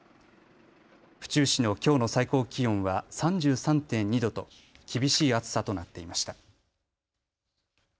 府中市のきょうの最高気温は３３．２度と厳しい暑さとなっていました。